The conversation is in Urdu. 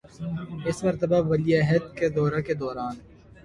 اس مرتبہ ولی عہد کے دورہ کے دوران